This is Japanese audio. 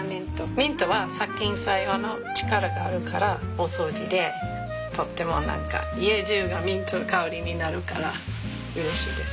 ミントは殺菌作用の力があるからお掃除でとっても何か家じゅうがミントの香りになるからうれしいです。